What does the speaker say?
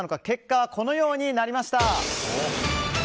結果はこのようになりました。